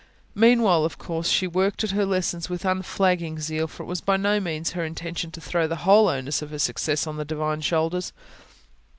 Meanwhile, of course, she worked at her lessons with unflagging zeal, for it was by no means her intention to throw the whole onus of her success on the Divine shoulders.